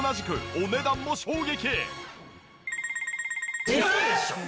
お値段にも衝撃！